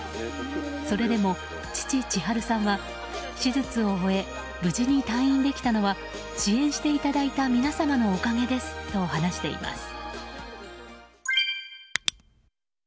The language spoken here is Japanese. それでも父・智春さんは手術を終え無事に退院できたのは支援していただいた皆様のおかげですと話しています。